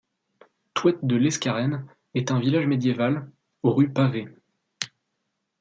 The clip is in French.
Touët-de-l’Escarène est un village médiéval, aux rues pavées.